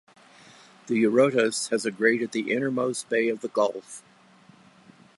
The Eurotas has aggraded the innermost bay of the gulf.